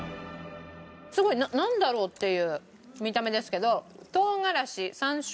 すごいなんだろう？っていう見た目ですけど唐辛子山椒。